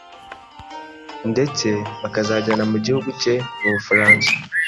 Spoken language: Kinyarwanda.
Ndetse bakazajyana mu gihugu cye mu bufaransa